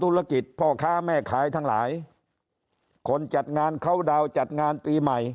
ธุรกิจพ่อค้าแม่ขายทั้งหลายคนจัดงานเข้าดาวน์จัดงานปีใหม่